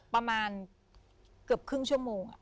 ประมาณเกือบครึ่งชั่วโมง